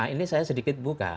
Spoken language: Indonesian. ini saya sedikit buka